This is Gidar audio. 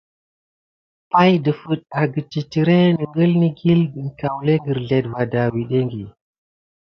Pay ɗəfiŋ agəte titiré naku negəlke ikil kulan va kirzel adawuteki va.